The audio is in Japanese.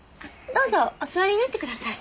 どうぞお座りになってください。